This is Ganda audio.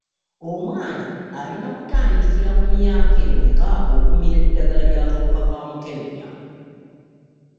Omwana alina kutandikira ku myaka emeka okumira eddagala ly'akawuka ka mukenenya?